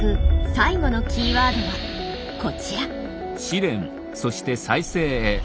最後のキーワードはこちら。